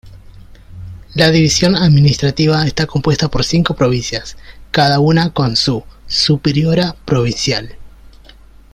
La división administrativa está compuesta por cinco provincias, cada una con su superiora provincial.